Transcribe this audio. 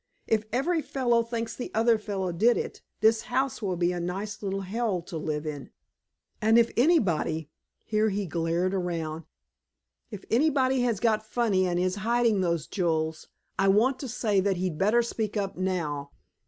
If every fellow thinks the other fellow did it, this house will be a nice little hell to live in. And if anybody" here he glared around "if anybody has got funny and is hiding those jewels, I want to say that he'd better speak up now.